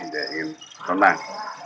dia ingin tenang